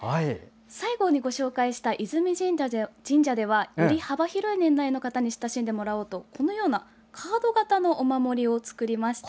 最後にご紹介した泉神社ではより幅広い年代の方に親しんでもらえるようカード型のお守りを作りました。